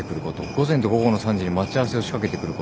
午前と午後の３時に待ち合わせを仕掛けてくること。